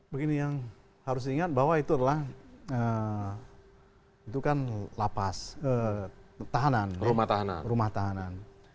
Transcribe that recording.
begini yang harus diingat bahwa itu adalah itu kan lapas tahanan rumah tahanan